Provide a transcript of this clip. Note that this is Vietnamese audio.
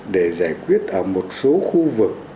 để giải quyết ở một số khu vực